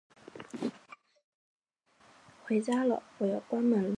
回家啦，我要关门了